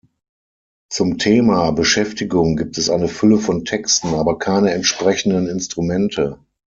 Zum Thema Beschäftigung gibt es eine Fülle von Texten, aber keine entsprechenden Instrumente.